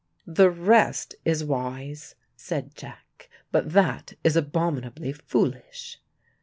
"The rest is wise," said Jack, "but that is abominably foolish."